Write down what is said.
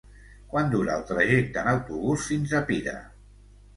Quant dura el trajecte en autobús fins a Pira?